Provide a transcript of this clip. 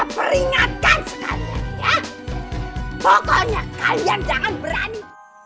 pokoknya kalian jangan berani